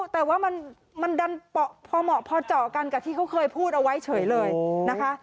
แต่ว่ามันดันพอเหมาะพอเจาะกันกับที่เขาเคยพูดเอาไว้เฉยเลยนะคะ